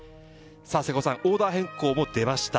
瀬古さん、オーダー変更も出ました。